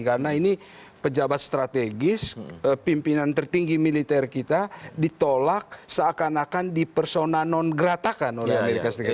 karena ini pejabat strategis pimpinan tertinggi militer kita ditolak seakan akan dipersona non gratakan oleh amerika serikat